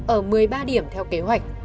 ở một mươi ba điểm theo kế hoạch